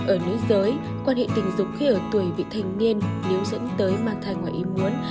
ở nữ giới quan hệ tình dục khi ở tuổi vị thành niên nếu dẫn tới mang thai ngoài ý muốn